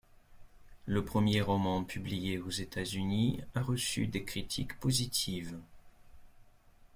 Le premier roman publié aux États-Unis a reçu des critiques positives.